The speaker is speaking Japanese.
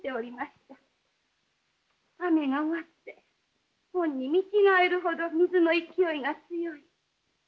雨が終わってほんに見違えるほど水の勢いが強い。